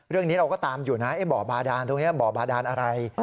เรื่องนี้เราก็ตามอยู่นะบ่อบาดานอะไร